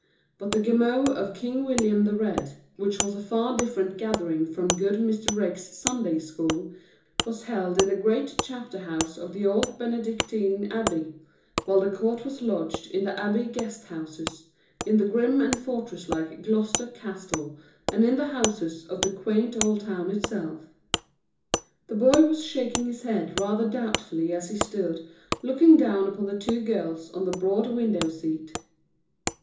But the gemot of King William the Red, which was a far different gathering from good Mr. Raikes' Sunday school, was held in the great chapter house of the old Benedictine Abbey, while the court was lodged in the Abbey guest houses, in the grim and fortress like Gloucester Castle, and in the houses of the quaint old town itself. The boy was shaking his head rather doubtfully as he stood, looking down upon the two girls on the broad window seat.